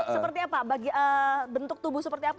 seperti apa bentuk tubuh seperti apa